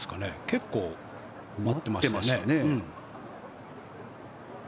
結構、待ってましたよね。